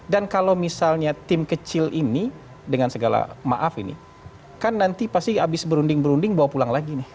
dan kalau misalnya tim kecil ini dengan segala maaf ini kan nanti pasti habis berunding berunding bawa pulang lagi nih